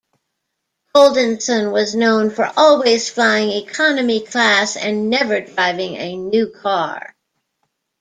Goldenson was known for always flying economy class and never driving a new car.